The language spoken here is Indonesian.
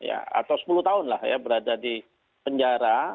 atau sepuluh tahun lah ya berada di penjara